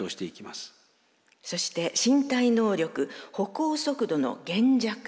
そして身体能力歩行速度の減弱。